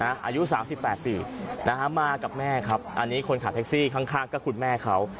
อายุ๓๘ปีนะฮะมากับแม่ครับอันนี้คนขับแท็กซี่ข้างก็คุณแม่เขา